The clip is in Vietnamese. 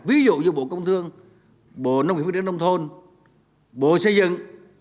ví dụ như bộ công thương bộ nông nghiệp phương tiện nông thôn bộ xây dựng